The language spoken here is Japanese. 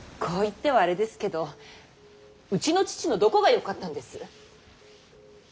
こう言ってはあれですけどうちの父のどこがよかったんです。